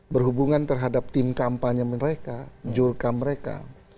berhubungan terhadap tim kampanye mereka jurka mereka